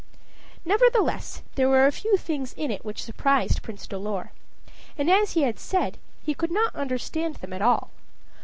Nevertheless, there were a few things in it which surprised Prince Dolor and, as he had said, he could not understand them at all.